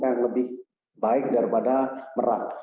yang lebih baik daripada merak